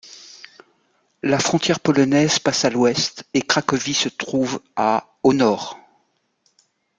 La frontière polonaise passe à à l'ouest et Cracovie se trouve à au nord.